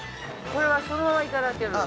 ◆これは、そのままいただけるの。